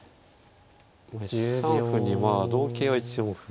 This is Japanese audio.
１三歩にまあ同桂は１四歩。